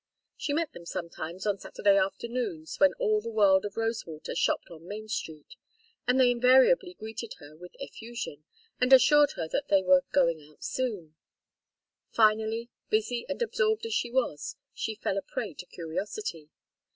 She met them sometimes on Saturday afternoons, when all the world of Rosewater shopped on Main Street, and they invariably greeted her with effusion, and assured her they were "going out soon." Finally, busy and absorbed as she was, she fell a prey to curiosity.